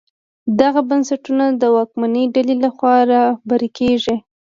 دغه بنسټونه د واکمنې ډلې لخوا رهبري کېږي.